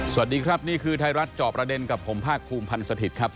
สวัสดีครับนี่คือไทยรัฐจอบประเด็นกับผมภาคภูมิพันธ์สถิตย์ครับ